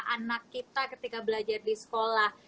anak kita ketika belajar di sekolah